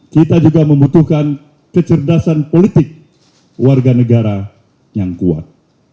kita juga membutuhkan kecerdasan politik warga negara yang kuat